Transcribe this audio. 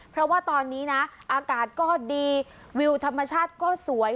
เพราะว่าตอนนี้นะอากาศก็ดีวิวธรรมชาติก็สวย